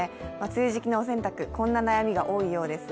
梅雨時期のお洗濯、こんな悩みが多いようです。